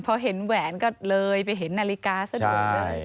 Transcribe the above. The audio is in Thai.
พอเห็นแหวนก็เลยไปเห็นนาฬิกาสะดวกเลย